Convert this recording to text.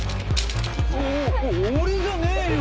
お俺じゃねえよ！